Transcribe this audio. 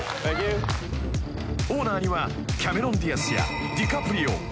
［オーナーにはキャメロン・ディアスやディカプリオ。